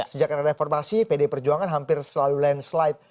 sejak ada reformasi pdi perjuangan hampir selalu landslide